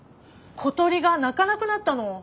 小鳥が鳴かなくなったの。